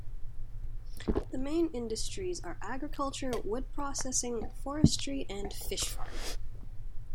The main industries are agriculture, wood processing, forestry, and fish farming.